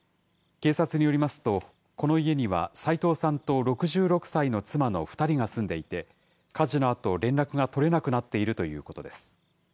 警察によりますと、この家には齋藤さんと６６歳の妻の２人が住んでいて、家事のあと、連絡が取れなくなっているということです。